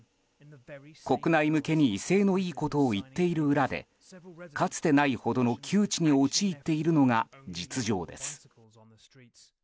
国内向けに威勢のいいことを言っている裏でかつてないほどの窮地に陥っているのが実情です。